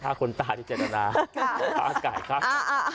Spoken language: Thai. ห้าคนตาที่เจตนาห้าไก่ครับอ่า